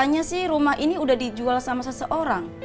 rasanya sih rumah ini udah dijual sama seseorang